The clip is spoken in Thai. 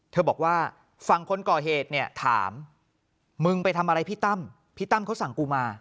บอกว่าฝั่งคนก่อเหตุเนี่ยถามมึงไปทำอะไรพี่ตั้มพี่ตั้มเขาสั่งกูมา